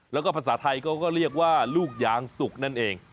แล้วก็ภาษาไทยเขาก็เรียกว่าลูกยางสุกนั่นเอง